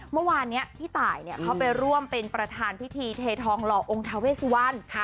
เมื่อวานนี้พี่ตายเขาไปร่วมเป็นประธานพิธีเททองหล่อองค์ทาเวสวัน